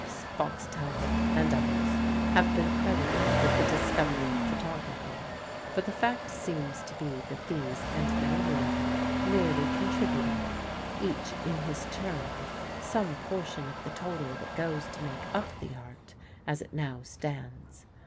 Numerous investigators, Daguerre, Niépce, Fox Talbot, and others, have been credited with the discovery of photography, but the fact seems to be that these, and many more, merely contributed, each in his turn, some portion of the total that goes to make up the art as it now stands.